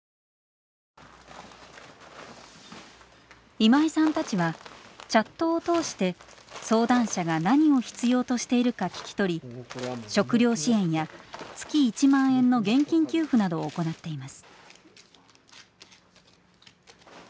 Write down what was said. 今井さんたちはチャットを通して相談者が何を必要としているか聞き取り食糧支援や月１万円の現金給付などを行っています。